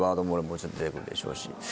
もちろん出てくるでしょうし。